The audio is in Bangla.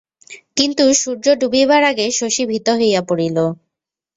কিন্তু সূর্য ডুবিবার আগে শশী ভীত হইয়া পড়িল।